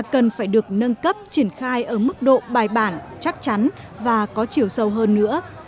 cấp triển khai ở mức độ bài bản chắc chắn và có chiều sâu hơn nữa